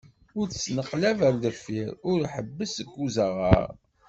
Ur d-ttneqlab ɣer deffir, ur ḥebbes deg uzaɣar.